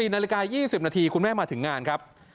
๔นาฬิกา๒๐นาทีคุณแม่มาถึงงานครับ